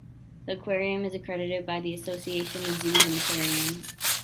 The aquarium is accredited by the Association of Zoos and Aquariums.